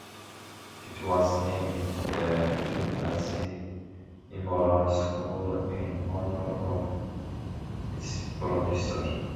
It was named the Tutasi Memorial School in honour of its predecessor.